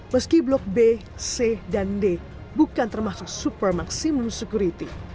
meski blok b c dan d bukan termasuk super maksimum security